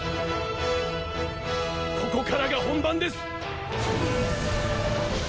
ここからが本番です。